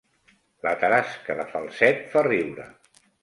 La tarasca de Falset fa riure